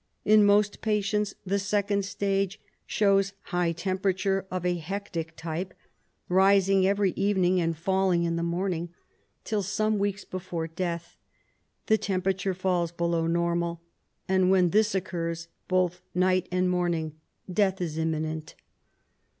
In most patients the second stage shows high temf)erature of a hectic type, rising every evening and falling in the morning, till, some weeks before death, the temperature falls below normal, and when this occurs both night and morning death is imminent.